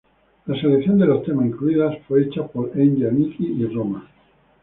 La selección de los temas incluidos fue hecha por Enya, Nicky y Roma